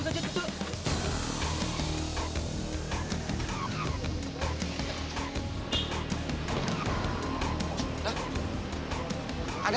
jatuh jatuh jatuh